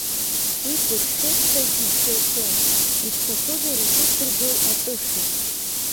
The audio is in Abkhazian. Уи быршәеитҳәагь ибжьаӡом, ибҭахызар ихықәргыл атыша!